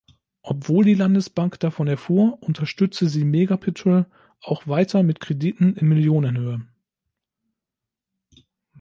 Obwohl die Landesbank davon erfuhr, unterstützte sie Mega-Petrol auch weiter mit Krediten in Millionenhöhe.